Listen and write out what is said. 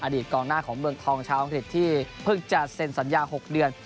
กองหน้าของเมืองทองชาวอังกฤษที่เพิ่งจะเซ็นสัญญา๖เดือน